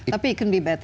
tapi bisa lebih baik